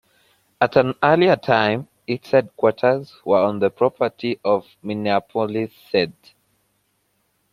At an earlier time its headquarters were on the property of Minneapolis-St.